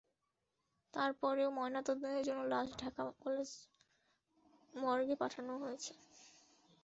তার পরও ময়নাতদন্তের জন্য লাশ ঢাকা মেডিকেল কলেজ মর্গে পাঠানো হয়েছে।